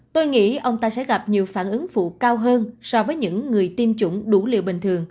tôi nghĩ ông ta sẽ gặp nhiều phản ứng phụ cao hơn so với những người tiêm chủng đủ liệu bình thường bà nói